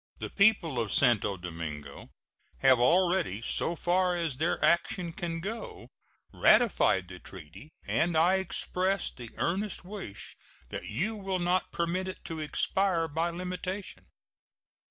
The people of St. Domingo have already, so far as their action can go, ratified the treaty, and I express the earnest wish that you will not permit it to expire by limitation.